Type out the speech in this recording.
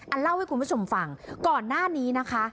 เล่าให้คุณผู้ชมฟังก่อนหน้านี้นะคะ